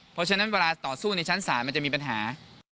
เพราะฉะนั้นเวลาต่อสู้ในชั้นศาลมันจะมีปัญหา